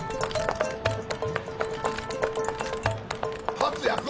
達也君？